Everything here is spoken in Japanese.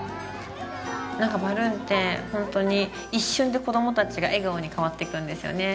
なんかバルーンってホントに一瞬で子供達が笑顔に変わっていくんですよね